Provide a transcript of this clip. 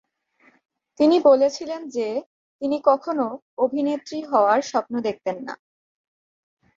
তিনি বলেছিলেন যে তিনি কখনও অভিনেত্রী হওয়ার স্বপ্ন দেখতেন না।